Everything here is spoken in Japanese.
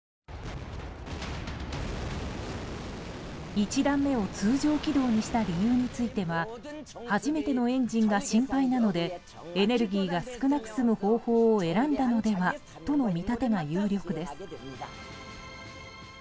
１段目を通常軌道にした理由については初めてのエンジンが心配なのでエネルギーが少なく済む方法を選んだのではとの見立てが有力です。